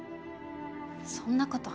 そんなこと。